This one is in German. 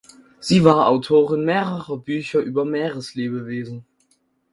Sie war Autorin mehrerer Bücher über Meereslebewesen.